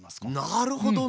なるほどね。